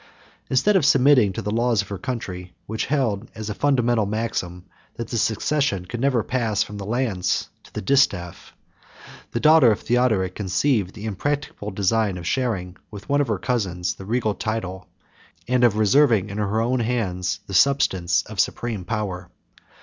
Instead of submitting to the laws of her country which held as a fundamental maxim, that the succession could never pass from the lance to the distaff, the daughter of Theodoric conceived the impracticable design of sharing, with one of her cousins, the regal title, and of reserving in her own hands the substance of supreme power.